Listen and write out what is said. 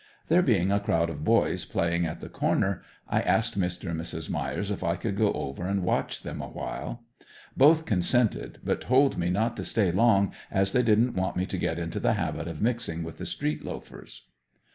There being a crowd of boys playing at the corner I asked Mr. and Mrs. Myers if I could go over and watch them awhile. Both consented, but told me not to stay long as they didn't want me to get into the habit of mixing with the street loafers.